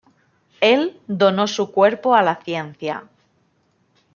Él donó su cuerpo a la ciencia.